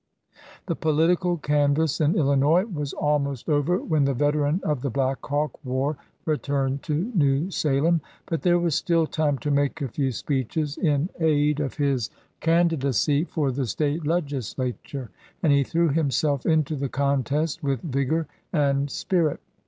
The political canvass in Illinois was almost over when the "veteran" of the Black Hawk War returned to New Salem; but there was still time to make a few speeches in aid of his candi 1 Congressional Record of July 27, 1848. 48 THE LAW STUDENT dacy for the State legislature, and he threw him self into the contest with vigor and spirit.